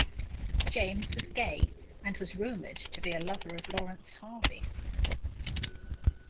James was gay and was rumoured to be a lover of Laurence Harvey.